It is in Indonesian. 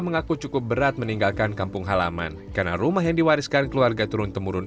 mengaku cukup berat meninggalkan kampung halaman karena rumah yang diwariskan keluarga turun temurun